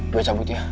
gue cabut ya